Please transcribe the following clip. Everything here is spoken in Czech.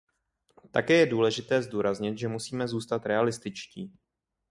Také je důležité zdůraznit, že musíme zůstat realističtí.